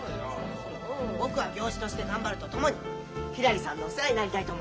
僕は行司として頑張るとともにひらりさんのお世話になりたいと思っております。